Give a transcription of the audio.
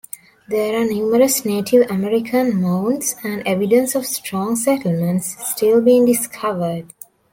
There are numerous Native American Mounds and evidence of strong settlements still being discovered.